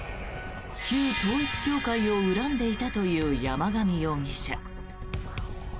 旧統一教会を恨んでいたという山上容疑者。